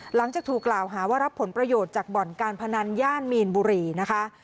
หลังจากถูกกล่าวหาว่ารับผลประโยชน์จากบ่อนการพนันย่านมีนบุรีนะคะ